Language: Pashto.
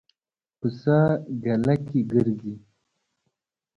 پسه ګله کې ګرځي.